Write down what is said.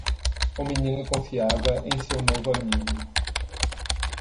O menino confiava em seu novo amigo.